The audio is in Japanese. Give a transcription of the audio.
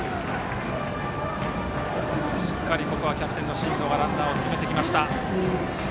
しっかりキャプテンの進藤がランナーを進めてきました。